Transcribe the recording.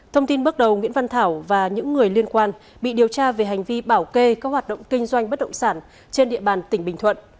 thông tin bước đầu nguyễn văn thảo và những người liên quan bị điều tra về hành vi bảo kê các hoạt động kinh doanh bất động sản trên địa bàn tỉnh bình thuận